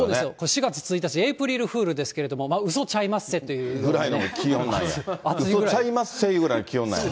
４月１日、エイプリルフールですけども、うそちゃいまっせというぐらいの気ぐらいの気温なんや。